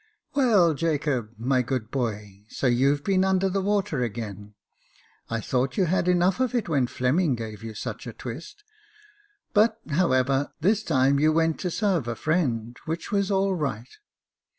"Well, Jacob, my good boy, so you've been under the water again ; I thought you had enough of it when Fleming gave you such a twist ; but, however, this time you went to sarve a friend, which was all right.